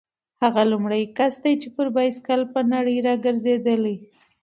هغه لومړنی کس دی چې پر بایسکل په نړۍ راګرځېدلی.